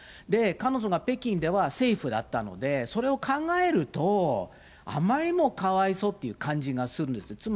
で、彼女が北京ではセーフだったので、それを考えると、あまりにもかわいそうっていう感じがするんですよ。